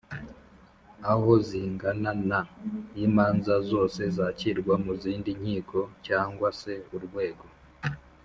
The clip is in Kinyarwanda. aho zingana na y imanza zose zakirwa mu zindi nkiko cyangwa se Urwego